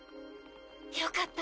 よかった。